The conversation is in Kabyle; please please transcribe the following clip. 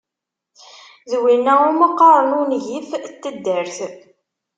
D winna iwmi qqaren ungif n taddart.